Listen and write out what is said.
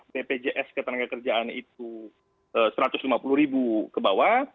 bpjs ketenaga kerjaan itu satu ratus lima puluh ribu ke bawah